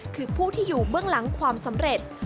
คือผู้ที่อยู่เบื้องหลังความสำเร็จ